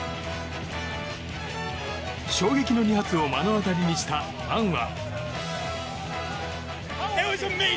衝撃の２発を目の当たりにしたファンは。